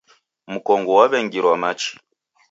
Mkongo waw'engirwa machi.